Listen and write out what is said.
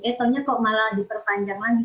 eh taunya kok malah diperpanjang lagi